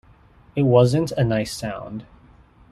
It wasn't a nice sound.